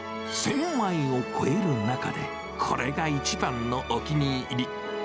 １０００枚を超える中で、これが一番のお気に入り。